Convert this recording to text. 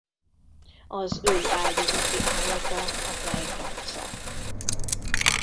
Az ő áldozati állata a pej kanca.